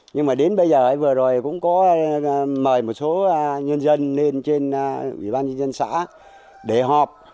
nhưng mà đến bây giờ vừa rồi cũng có mời một số nhân dân lên trên ủy ban nhân dân xã để họp